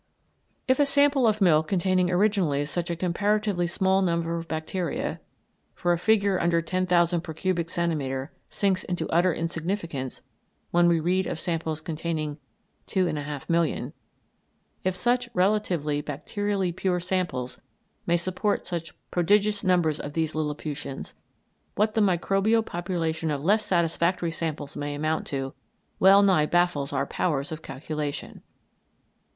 If a sample of milk containing originally such a comparatively small number of bacteria for a figure under 10,000 per cubic centimetre sinks into utter insignificance when we read of samples containing 2,500,000 if such relatively bacterially pure samples may support such prodigious numbers of these Lilliputians, what the microbial population of less satisfactory samples may amount to well nigh baffles our powers of calculation.